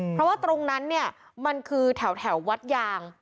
เพราะว่าตรงนั้นเนี่ยมันคือแถววัดยาง